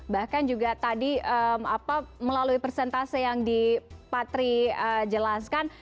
bahkan juga tadi melalui persentase yang di patri jelaskan